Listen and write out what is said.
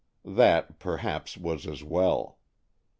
That, perhaps, was as well.